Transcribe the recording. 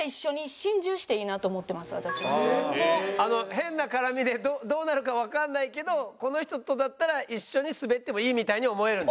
変な絡みでどうなるかわかんないけどこの人とだったら一緒にスベってもいいみたいに思えるんだ？